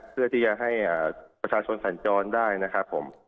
เพื่อที่จะให้ประชาชนสัญจรได้นะครับผม